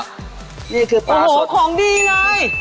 อ๋อหูของดีเลยปลาขาวใหญ่ไม่ได้สอนไกลค่ะ